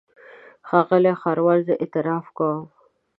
ښاغلی ښاروال زه اعتراف کوم.